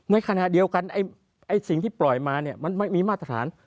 ในขณะเดียวกันสิ่งที่ปล่อยมาเนี่ยมันไม่มีมาตรฐาน